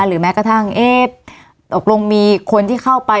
แม้กระทั่งเอ๊ะตกลงมีคนที่เข้าไป